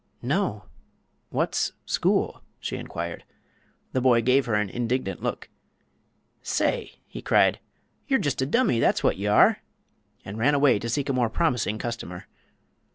"No; what's school?" she inquired. The boy gave her an indignant look. "Say!" he cried, "ye'r just a dummy, that's wot ye are!" and ran away to seek a more promising customer.